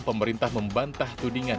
pemerintah membantah tudingan